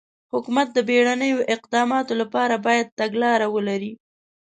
حکومت د بېړنیو اقداماتو لپاره باید تګلاره ولري.